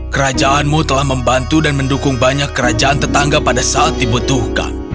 kerajaanmu telah membantu dan mendukung banyak kerajaan tetangga pada saat dibutuhkan